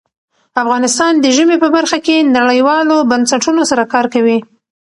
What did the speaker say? افغانستان د ژمی په برخه کې نړیوالو بنسټونو سره کار کوي.